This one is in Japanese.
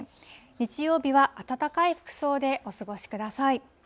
日曜日は暖かい服装でお過ごしください。